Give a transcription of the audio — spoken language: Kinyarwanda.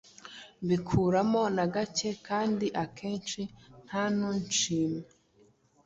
mbikuramo na gake kandi akenshi nta n’unshima,